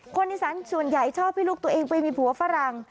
คนอีสานส่วนใหญ่ชอบให้ลูกตัวเองไปมีผัวฝรั่ง